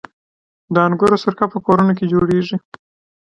د انګورو سرکه په کورونو کې جوړیږي.